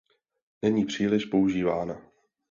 Není příliš používaná.